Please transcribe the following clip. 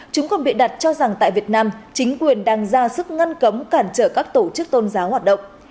chúng còn bịa đặt cho rằng tại việt nam chính quyền đang ra sức ngăn cấm cản trở các tổ chức tôn giáo hoạt động